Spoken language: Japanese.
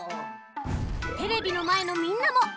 テレビのまえのみんなもん？